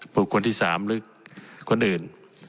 หรือการที่สามลึกคนอื่น